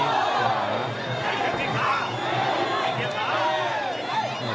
สิ้นเร็ว